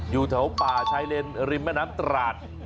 อยู่แถวป่าชายเลนริมแม่น้ำตราด